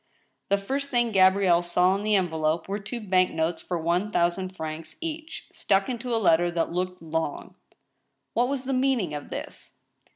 The first thing Gabrielle saw in the envelope were two bank notes for one thousand francs each, stuck into a letter that looked long ! What was the meaning of this?